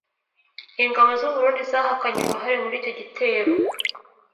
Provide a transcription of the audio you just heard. Ingabo z’u Burundi zahakanye uruhare muri icyo gitero